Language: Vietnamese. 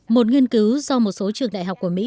một nghiên cứu do một số trường đại học của mỹ